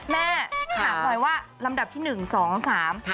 แม่ถามหน่อยว่าลำดับที่หนึ่งสองสาม